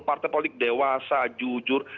partai politik dewasa jujur